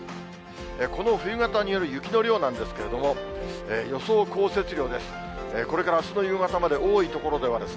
この冬型による雪の量なんですけれども、予想降雪量です。